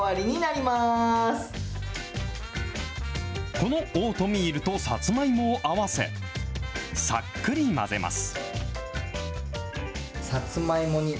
このオートミールとさつまいもを合わせ、さっくり混ぜます。